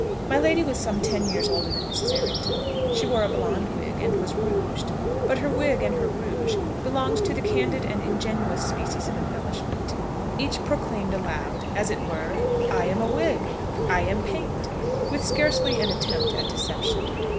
My lady was some ten years older than Mrs. Errington. She wore a blonde wig, and was rouged. But her wig and her rouge belonged to the candid and ingenuous species of embellishment. Each proclaimed aloud, as it were, "I am wig!" "I am paint!" with scarcely an attempt at deception.